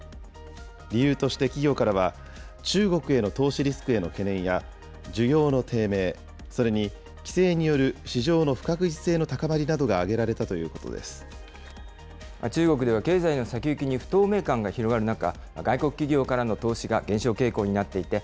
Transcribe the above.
理由として企業からは、中国への投資リスクへの懸念や、需要の低迷、それに規制による市場の不確実性の高まりなどが挙げられたという中国では経済の先行きに不透明感が広がる中、外国企業からの投資が減少傾向になっていて、